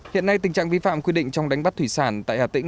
hiện nay tình trạng vi phạm quy định trong đánh bắt thủy sản tại hà tĩnh